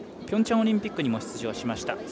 ピョンチャンオリンピックにも出場しました。